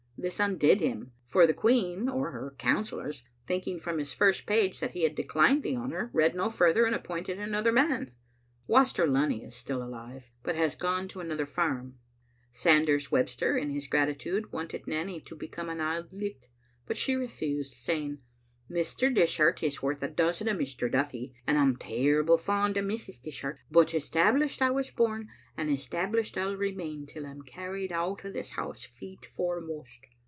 This undid him, for the Queen, or her councillors, thinking from his first page that he had declined the honor, read no further, and appointed another man. Waster Lunny is still alive, but has gone to another farm. Sanders Webster, in his gratitude, wanted Nanny to become an Auld Licht, but she refused, saying, " Mr. Dishart is worth a dozen o' Mr. Duthie, and I'm terrible fond o' Mrs. Dishart, but Established I was bom and Established I'll remain till I'm carried out o' this house feet foremost."